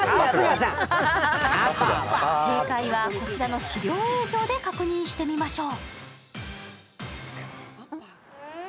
正解はこちらの資料映像で確認してみましょう。